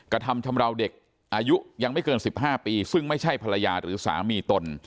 กระทำชำราวเด็กอายุยังไม่เกิน๑๕ปีซึ่งไม่ใช่ภรรยาหรือสามีตน